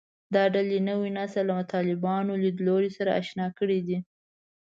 دا ډلې نوی نسل له طالباني لیدلوري سره اشنا کړی دی